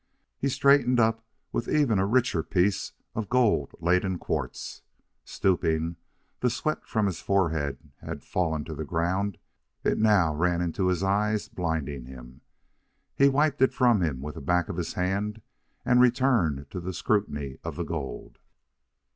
He straightened up with even a richer piece of gold laden quartz. Stooping, the sweat from his forehead had fallen to the ground. It now ran into his eyes, blinding him. He wiped it from him with the back of his hand and returned to a scrutiny of the gold.